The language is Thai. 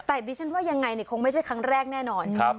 แต่ดิฉันว่ายังไงคงไม่ใช่ครั้งแรกแน่นอน